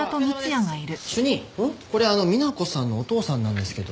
主任これ美奈子さんのお父さんなんですけど。